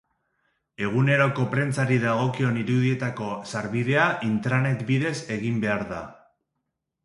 Eguneroko prentsari dagokion irudietarako sarbidea intranet bidez egin behar da.